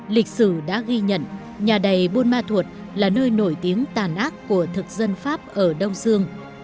lịch sử đã ghi nhận nhà đầy buôn ma thuột là nơi nổi tiếng tàn ác của thực dân pháp ở đông dương